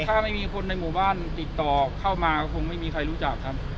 ถ้าไม่มีคนในหมู่บ้านติดต่อเข้ามาก็คงไม่มีใครรู้จักครับ